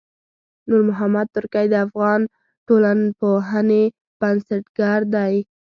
نورمحمد ترکی د افغان ټولنپوهنې بنسټګر و.